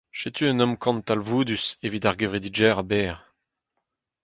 Setu un amkan talvoudus evit ar gevredigezh a-bezh.